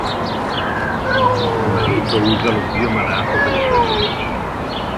Un marito usa lo zio malato per i suoi maneggi.